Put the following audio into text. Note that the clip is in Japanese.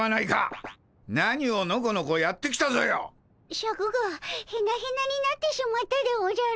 シャクがヘナヘナになってしまったでおじゃる。